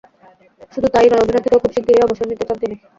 শুধু তা–ই নয়, অভিনয় থেকেও খুব শিগগিরই অবসর নিতে চান তিনি।